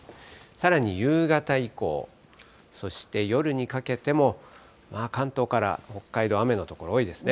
さらに夕方以降、そして夜にかけても、関東から北海道、雨の所多いですね。